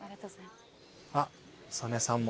あっ曽根さんも。